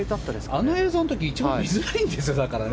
あの映像の時見づらいんですよね。